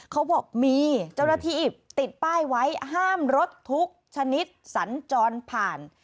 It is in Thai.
เขาบอกมีเจ้าหน้าที่ติดป้ายไว้ห้ามรถทุกชนิดสัญจรผ่าน